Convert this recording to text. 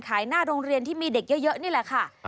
หน้าโรงเรียนที่มีเด็กเยอะนี่แหละค่ะ